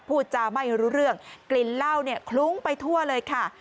พูดจาไม่รู้เรื่องกลิ่นเหล้าเนี่ยคลุ้งไปทั่วเลยค่ะ